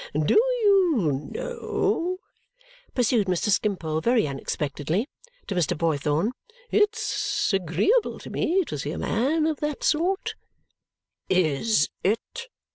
"Do you know," pursued Mr. Skimpole very unexpectedly to Mr. Boythorn, "it's agreeable to me to see a man of that sort." "IS it!"